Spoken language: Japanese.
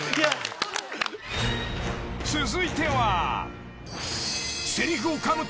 ［続いては］